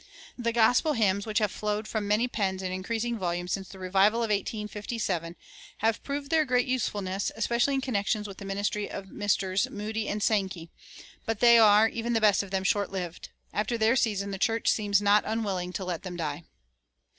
The "gospel hymns" which have flowed from many pens in increasing volume since the revival of 1857 have proved their great usefulness, especially in connection with the ministry of Messrs. Moody and Sankey; but they are, even the best of them, short lived. After their season the church seems not unwilling to let them die.